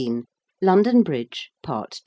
LONDON BRIDGE. PART II.